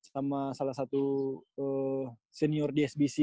sama salah satu senior di sbc